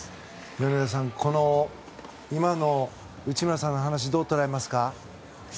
米田さんこの今の内村さんの話をどう捉えますか。